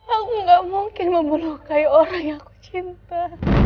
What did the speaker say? aku gak mungkin membunuh kayak orang yang aku cinta